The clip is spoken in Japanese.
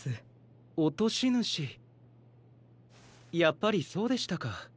やっぱりそうでしたか。